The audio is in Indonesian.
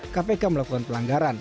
kpk melakukan pelanggaran